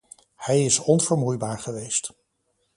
Hij is onvermoeibaar geweest.